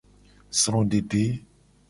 Srodede.